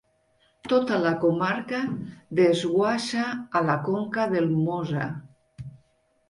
Tota la comarca desguassa a la conca del Mosa.